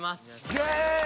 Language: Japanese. イエーイ！